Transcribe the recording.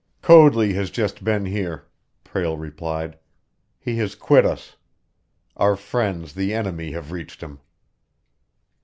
"Coadley has just been here," Prale replied. "He has quit us. Our friends the enemy have reached him."